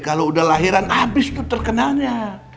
kalau udah lahiran abis tuh terkenalnya